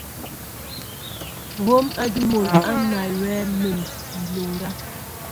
Hǒm ádí mol á nawyɛέ ḿmem nloŋga.